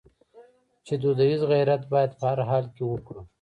چې دودیز غیرت باید په هر حال کې وکړو.